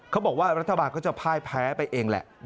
เขาบอกว่ารัฐบาลก็จะพ่ายแพ้ไปเองแหละ